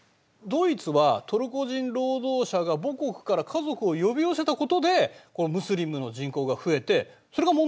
ドイツはトルコ人労働者が母国から家族を呼び寄せたことでムスリムの人口が増えてそれが問題になったんですよね？